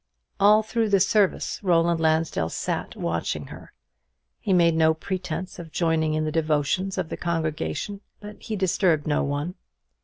All through the service Roland Lansdell sat watching her. He made no pretence of joining in the devotions of the congregation; but he disturbed no one.